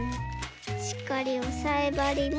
しっかりおさえばりに。